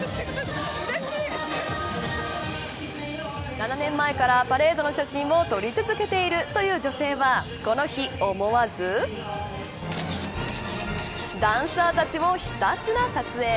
７年前からパレードの写真を撮り続けているという女性はこの日、思わずダンサーたちをひたすら撮影。